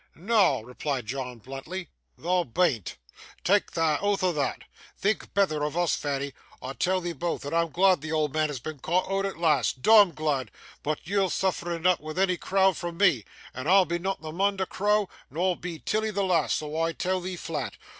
'Noa!' replied John bluntly, 'thou bean't. Tak' thy oath o' thot. Think betther o' us, Fanny. I tell 'ee both, that I'm glod the auld man has been caught out at last dom'd glod but ye'll sooffer eneaf wi'out any crowin' fra' me, and I be not the mun to crow, nor be Tilly the lass, so I tell 'ee flat.